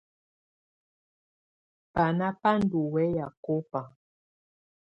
Bana ba ndù wɛya kɔba.